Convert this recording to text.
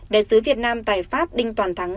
đại sứ việt nam tại pháp đinh toàn thắng